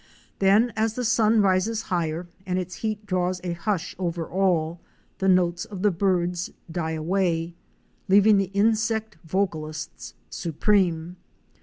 Then, as the sun rises higher and its heat draws a hush over all, the notes of the birds die away, leaving the insect vocalists supreme.